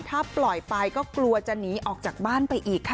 ถ้าปล่อยไปก็กลัวจะหนีออกจากบ้านไปอีกค่ะ